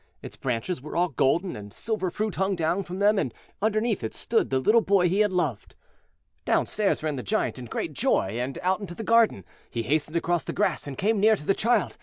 Its branches were all golden, and silver fruit hung down from them, and underneath it stood the little boy he had loved. Downstairs ran the Giant in great joy, and out into the garden. He hastened across the grass, and came near to the child.